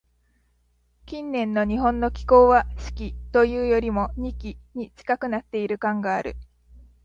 近年の日本の気候は、「四季」というよりも、「二季」に近くなっている感がある。